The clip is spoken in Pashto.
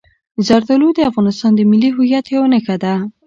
زردالو د افغانستان د ملي هویت یوه نښه ده.